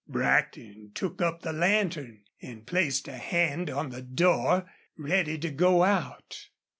'" Brackton took up the lantern and placed a hand on the door ready to go out.